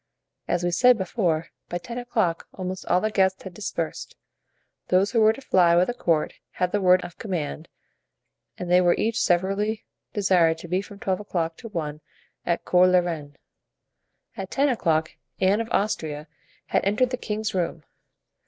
As we said before, by ten o'clock almost all the guests had dispersed; those who were to fly with the court had the word of command and they were each severally desired to be from twelve o'clock to one at Cours la Reine. At ten o'clock Anne of Austria had entered the king's room.